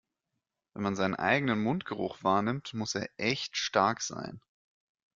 Wenn man seinen eigenen Mundgeruch wahrnimmt, muss er echt stark sein.